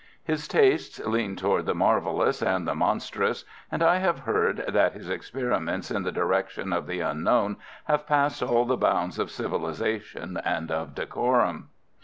His tastes leaned toward the marvellous and the monstrous, and I have heard that his experiments in the direction of the unknown have passed all the bounds of civilization and of decorum.